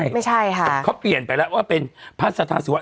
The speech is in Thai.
ไม่ใช่ค่ะเขาเปลี่ยนไปแล้วว่าเป็นพระสัทธาสุวัส